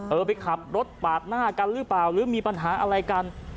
เออไปขับรถปาดหน้ากันหรือเปล่าหรือมีปัญหาอะไรกัน